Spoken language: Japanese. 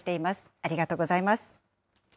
ありがとうございます。